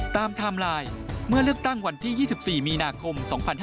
ไทม์ไลน์เมื่อเลือกตั้งวันที่๒๔มีนาคม๒๕๕๙